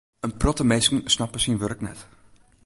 In protte minsken snappe syn wurk net.